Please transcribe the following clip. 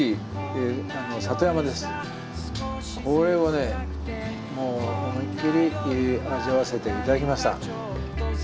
これをね思いっきり味わわせて頂きました。